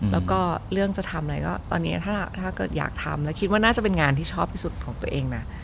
แล้วก็เรื่องจะทำอะไรก็ตอนนี้ถ้าเกิดอยากทำแล้วคิดว่าน่าจะเป็นงานที่ชอบที่สุดของตัวเองนะ